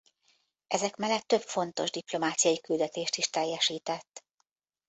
Ezek mellett több fontos diplomáciai küldetést is teljesített.